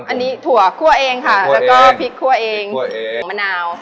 อันนี้ถั่วคั่วเองค่ะคั่วเองแล้วก็พริกคั่วเองพริกคั่วเองมะนาว